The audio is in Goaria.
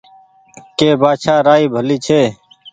ڪي بآڇآ رآئي ڀلي ڇي